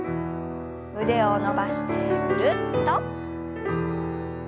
腕を伸ばしてぐるっと。